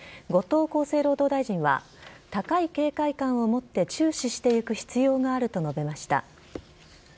後藤厚生労働大臣は高い警戒感を持って注視していく必要があると述べました。